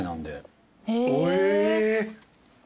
え！